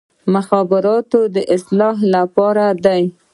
مجازات د اصلاح لپاره دي